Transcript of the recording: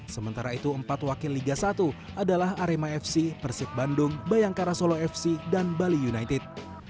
sementara itu empat wakil liga satu adalah arema fc persib bandung bayangkara solo fc dan bali united